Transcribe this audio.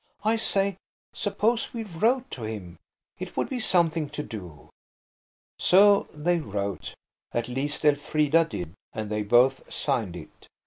I say, suppose we wrote to him. It would be something to do." So they wrote. At least Elfrida did, and they both signed it.